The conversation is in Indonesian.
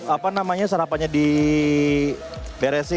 apa namanya sarapannya di beresin